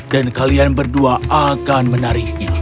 dan kalian berdua akan menariknya